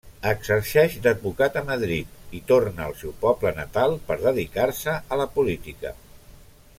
Exerceix d'advocat a Madrid i torna al seu poble natal per dedicar-se a la política.